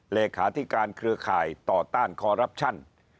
เลขาธิการเครือข่ายต่อต้านคอรับชัน